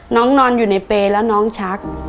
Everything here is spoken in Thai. นอนอยู่ในเปรย์แล้วน้องชัก